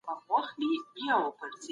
هغه حیران شو چې هغې دومره پیسې له کومه کړې.